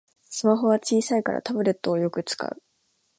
スマホは小さいからタブレットをよく使う